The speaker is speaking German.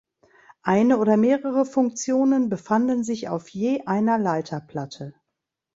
Eine oder mehrere Funktionen befanden sich auf je einer Leiterplatte.